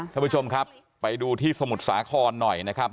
ท่านผู้ชมครับไปดูที่สมุทรสาครหน่อยนะครับ